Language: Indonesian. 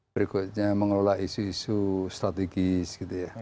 berikutnya mengelola isu isu strategis gitu ya